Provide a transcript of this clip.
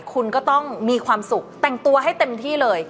คุณก็ต้องมีความสุขแต่งตัวให้เต็มที่เลย